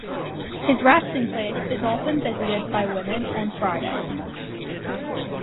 His resting place is often visited by women on Fridays.